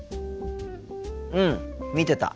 うん見てた。